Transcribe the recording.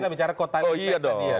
kita bicara kotelipek